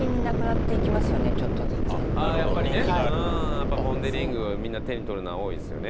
やっぱりポン・デ・リングみんな手に取るのは多いですよね。